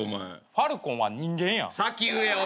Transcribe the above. ファルコンは人間や。